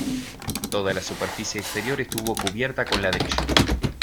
Toda la superficie exterior estuvo cubierta con ladrillo.